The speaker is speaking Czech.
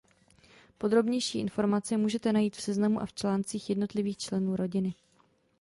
Podrobnější informace můžete najít v seznamu a v článcích jednotlivých členů rodiny.